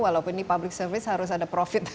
walaupun ini public service harus ada profit